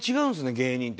芸人って。